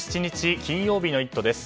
金曜日の「イット！」です。